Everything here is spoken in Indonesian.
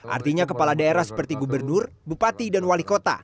artinya kepala daerah seperti gubernur bupati dan wali kota